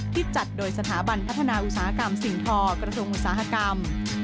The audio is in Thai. จัดโดยสถาบันพัฒนาอุตสาหกรรมสิ่งทอกระทรวงอุตสาหกรรม